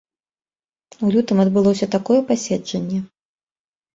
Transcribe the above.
У лютым адбылося такое паседжанне.